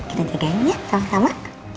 kita jagain ya sama sama